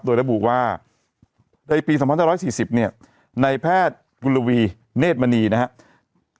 โดยระบุว่าในปี๒๕๔๐เนี่ยในแพทย์กุลวีเนธมณีนะครับ